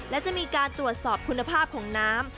และจะมีการตรวจสอบคุณภาพของน้ำ